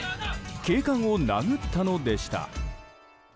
警官を殴ったのでした。